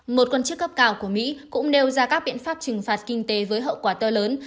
một quan chức cấp cao của mỹ cũng nêu ra các biện pháp trừng phạt kinh tế với hậu quả to lớn